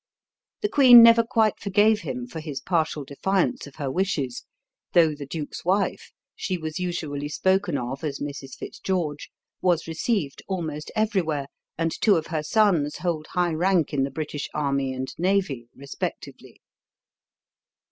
The queen never quite forgave him for his partial defiance of her wishes, though the duke's wife she was usually spoken of as Mrs. FitzGeorge was received almost everywhere, and two of her sons hold high rank in the British army and navy, respectively.